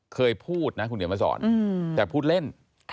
เคยพูดนะคุณเดี๋ยวมาสอนแต่พูดเล่น